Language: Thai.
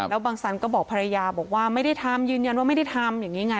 แล้วบางสันก็บอกภรรยาบอกว่าไม่ได้ทำยืนยันว่าไม่ได้ทำอย่างนี้ไง